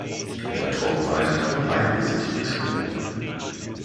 In der Trockenheit verbreiten sich die Sporen.